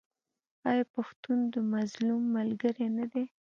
آیا پښتون د مظلوم ملګری نه دی؟